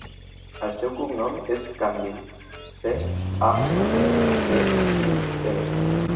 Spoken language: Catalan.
El seu cognom és Candil: ce, a, ena, de, i, ela.